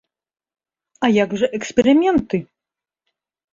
А як жа эксперыменты?